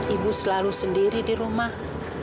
ibu selalu sendiri di rumah